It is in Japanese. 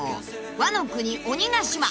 ワノ国鬼ヶ島！］